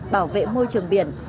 bảo vệ môi trường biển